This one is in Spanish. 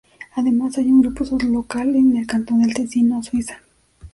Además, hay un grupo local en el Cantón del Tesino, Suiza.